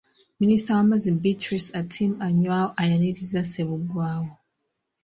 Minisita w'amazzi Beatrice Atim Anywar ayanirizza Ssebuggwawo.